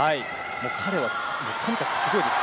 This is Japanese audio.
彼はとにかくすごいです。